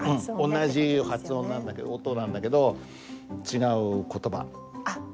うん同じ発音音なんだけど違う言葉。